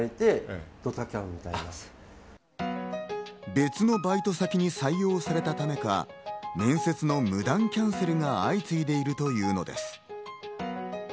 別のバイト先に採用されたためか、面接の無断キャンセルが相次いでいるというのです。